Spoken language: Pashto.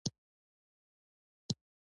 یوځل بیا د سیاسي بنسټونو له خوا وځپل شول.